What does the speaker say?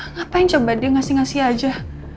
ngapain coba dia ngasih ngasih aja